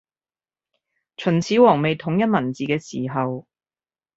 秦始皇未統一文字嘅時候